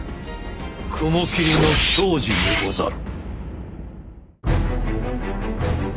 雲霧の矜持にござる。